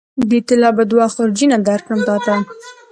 د طلا به دوه خورجینه درکړم تاته